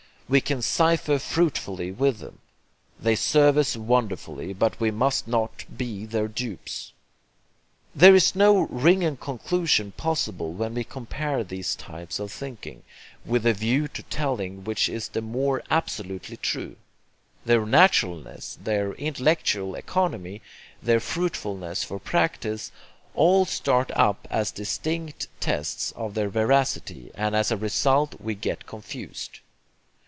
We can cipher fruitfully with them; they serve us wonderfully; but we must not be their dupes. There is no RINGING conclusion possible when we compare these types of thinking, with a view to telling which is the more absolutely true. Their naturalness, their intellectual economy, their fruitfulness for practice, all start up as distinct tests of their veracity, and as a result we get confused.